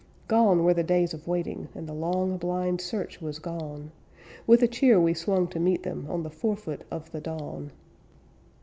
Gone were the days of waiting, And the long, blind search was gone; With a cheer we swung to meet them On the forefoot of the dawn.